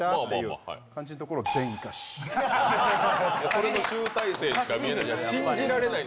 それの集大成しか見れない。